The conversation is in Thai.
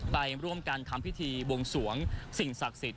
ไปร่วมกันทำพิธีบวงสวงสิ่งศักดิ์สิทธิ